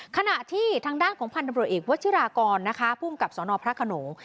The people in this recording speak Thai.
ขณะที่ทางด้านของพันธบรวจเอกวัชิรากรนะคะภูมิกับสนพระขนง